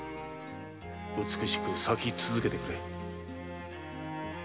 美しく咲き続けてくれ。